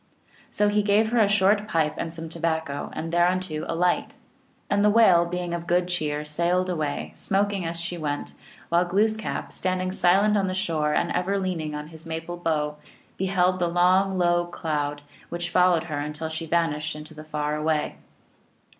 So he gave her a short pipe and some tobacco, and thereunto a light. And the Whale, being of good cheer, sailed away, smoking as she went, while Gloos kap, standing silent on the shore, and ever leaning on his maple bow, beheld the long low cloud which fol lowed her until she vanished in the far away.